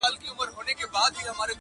• ته د ژوند له تنهایی څخه ډارېږې -